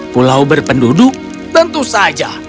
pulau berpenduduk tentu saja